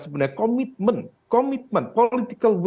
sebenarnya komitmen komitmen will politik